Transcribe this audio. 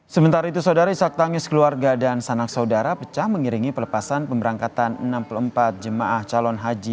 sementara itu saudara ishak tangis keluarga dan sanak saudara pecah mengiringi pelepasan pemberangkatan enam puluh empat jemaah calon haji